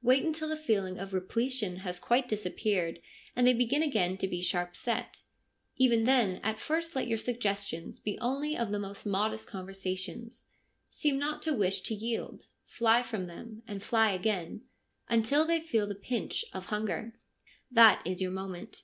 Wait until the feeling of re pletion has quite disappeared and they begin again to be sharp set. Even then at first let your suggestions be only of most modest conversation. Seem not to wish to yield Fly from them — and fly again ; until they feel the pinch of hunger. That is your moment.